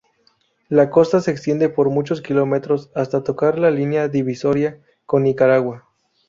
La costa se extiende por muchos kilómetros hasta tocar la línea divisoria con Nicaragua.